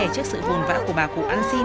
cô đưa em vào báo vũ ngồi em